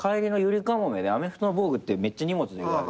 アメフトの防具ってめっちゃ荷物でかい。